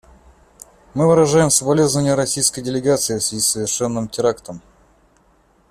Мы выражаем соболезнования российской делегации в связи с совершенным терактом.